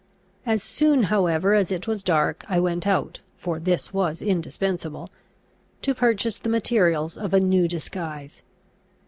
As soon however as it was dark I went out (for this was indispensable) to purchase the materials of a new disguise.